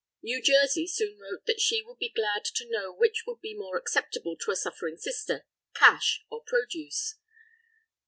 New Jersey soon wrote that she would be glad to know which would be more acceptable to a suffering sister, cash or produce.